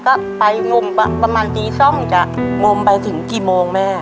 ก็ไปงมประมาณตี๒จะงมไปถึงกี่โมงแม่